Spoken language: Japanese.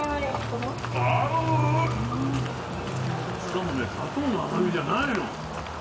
しかもね砂糖の甘みじゃないの。